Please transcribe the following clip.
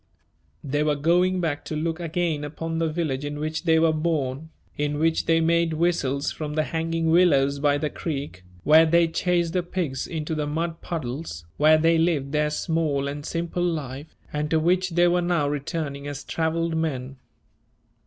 They were going back to look again upon the village in which they were born, in which they made whistles from the hanging willows by the creek, where they chased the pigs into the mud puddles, where they lived their small and simple life, and to which they were now returning as travelled men.